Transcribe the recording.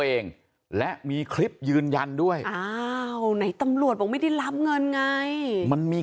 เองและมีคลิปยืนยันด้วยอ้าวไหนตำรวจบอกไม่ได้รับเงินไงมันมี